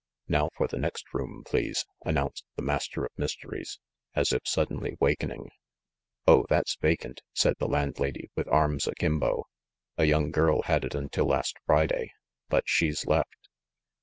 "Now for the next room, please," announced the Master of Mysteries, as if suddenly wakening. "Oh, that's vacant," said the landlady with arms akimbo. "A young girl had it until last Friday; but she's left."